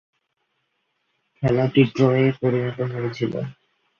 খেলাটি ড্রয়ে পরিণত হয়েছিল।